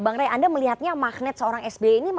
bang ray anda melihatnya magnet seorang sbi ini magnet apa